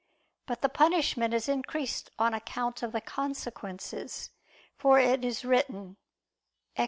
But the punishment is increased on account of the consequences; for it is written (Ex.